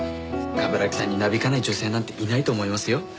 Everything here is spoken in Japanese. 冠城さんになびかない女性なんていないと思いますよ。